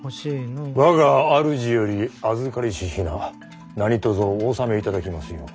我が主より預かりし品何とぞお納めいただきますよう。